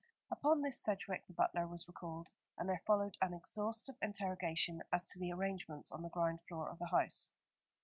Upon this Sedgewick, the butler, was recalled, and there followed an exhaustive interrogation as to the arrangements on the ground floor of the house.